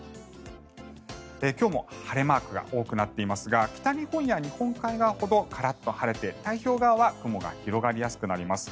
今日も晴れマークが多くなっていますが北日本や日本海側ほどカラッと晴れて太平洋側は雲が広がりやすくなります。